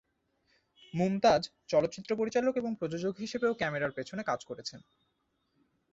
মুমতাজ চলচ্চিত্র পরিচালক এবং প্রযোজক হিসেবেও ক্যামেরার পিছনে কাজ করেছেন।